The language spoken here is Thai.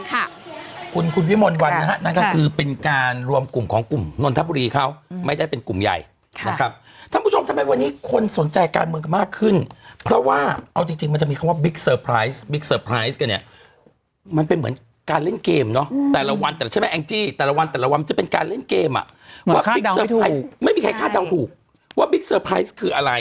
เขาน่าจะมีอิทธิพลกับผมผมควรจะเป็นคนกลัวอ่ะทางนั้นก็ตัดไปปุ๊บก็บอกอ้าว